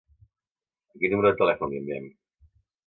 A quin número de telèfon li enviem?